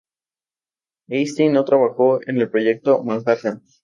Einstein no trabajó en el Proyecto Manhattan.